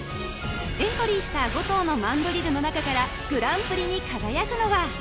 エントリーした５頭のマンドリルの中からグランプリに輝くのは？